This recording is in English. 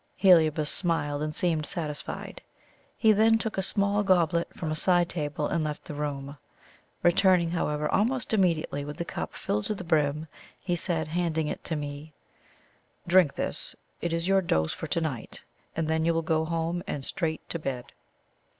Heliobas smiled and seemed satisfied. He then took a small goblet from a side table and left the room. Returning, however, almost immediately with the cup filled to the brim, he said, handing it to me: "Drink this it is your dose for to night; and then you will go home, and straight to bed."